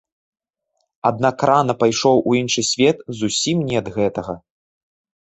Аднак рана пайшоў у іншы свет зусім не ад гэтага.